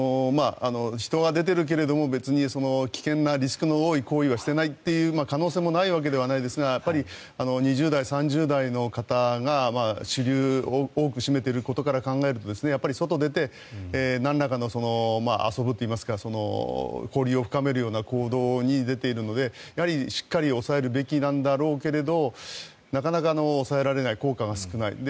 人が出ているけども別に危険なリスクの多い行為はしていないっていう可能性もないわけではないですがやっぱり２０代、３０代の方が多くを占めていることから考えると外に出てなんらかの遊ぶといいますか交流を深めるような行動に出ているのでやはりしっかり抑えるべきなんだろうけどなかなか抑えられない効果が少ない。